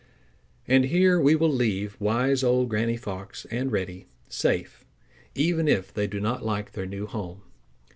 And here we will leave wise Old Granny Fox and Reddy, safe, even if they do not like their new home.